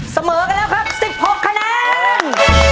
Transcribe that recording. เสมอกันแล้วครับ๑๖คะแนน